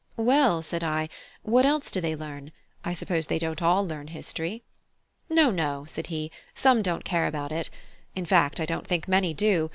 "Well," said I, "what else do they learn? I suppose they don't all learn history?" "No, no," said he; "some don't care about it; in fact, I don't think many do.